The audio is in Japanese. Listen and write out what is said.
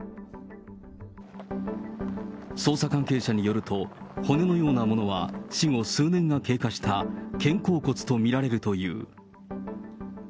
捜査関係者によると、骨のようなものは、死後数年が経過した肩甲骨と見られるという。